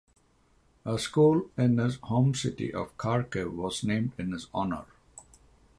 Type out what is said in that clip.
A school in his home city of Kharkiv was named in his honor.